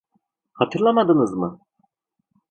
Hatırlamadınız mı?